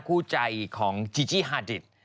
คู่ใจของจีจี้ฮาดิต